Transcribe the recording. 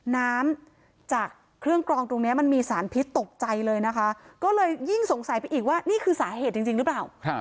น้ำจากเครื่องกรองตรงนี้มันมีสารพิษตกใจเลยนะคะก็เลยยิ่งสงสัยไปอีกว่านี่คือสาเหตุจริงหรือเปล่า